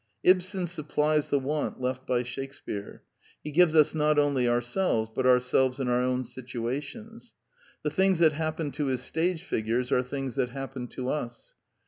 Ibsen supplies the want left by Shakespear. He gives us not only ourselves, but ourselves in our own situations. The things that happen to his stage figures are things that hap pen to us.